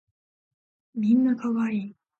みんな可愛い